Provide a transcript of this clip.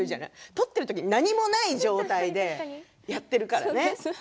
撮っている時、何もない状態でやっているからね。